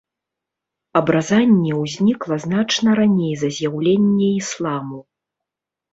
Абразанне ўзнікла значна раней за з'яўленне ісламу.